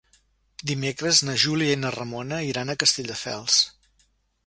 Dimecres na Júlia i na Ramona iran a Castelldefels.